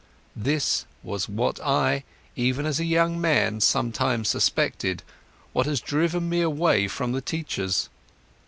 This was what I, even as a young man, sometimes suspected, what has driven me away from the teachers.